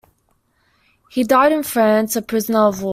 He died in France, a prisoner of war.